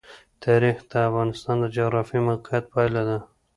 تاریخ د افغانستان د جغرافیایي موقیعت پایله ده.